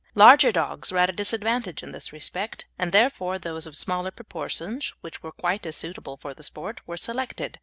Larger dogs were at a disadvantage in this respect, and, therefore, those of smaller proportions, which were quite as suitable for the sport, were selected.